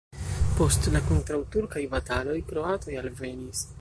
Post la kontraŭturkaj bataloj kroatoj alvenis.